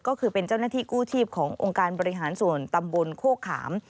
ก็คือเป็นเจ้าหน้าที่กู้ชีพขององค์การบริหารส่วนตำบลโคกขาม